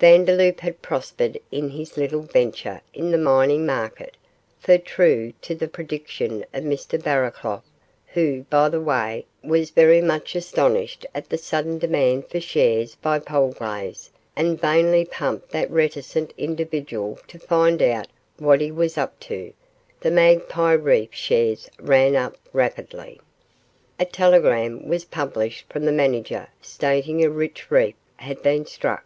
Vandeloup had prospered in his little venture in the mining market, for, true to the prediction of Mr Barraclough who, by the way, was very much astonished at the sudden demand for shares by Polglaze, and vainly pumped that reticent individual to find out what he was up to the Magpie Reef shares ran up rapidly. A telegram was published from the manager stating a rich reef had been struck.